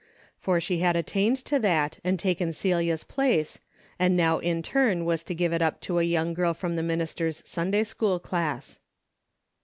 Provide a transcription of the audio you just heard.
for she had attained to that and taken Celia's place, and now in turn was to give it up to a young girl from the minister's Sunday school class.